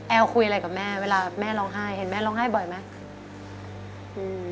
คุยอะไรกับแม่เวลาแม่ร้องไห้เห็นแม่ร้องไห้บ่อยไหมอืม